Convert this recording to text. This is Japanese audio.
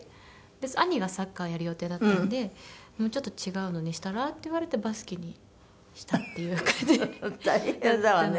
で兄がサッカーをやる予定だったので「もうちょっと違うのにしたら？」って言われてバスケにしたっていう感じだったので。